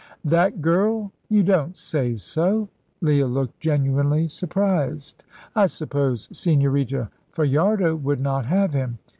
"That girl! You don't say so?" Leah looked genuinely surprised. "I suppose Señorita Fajardo would not have him.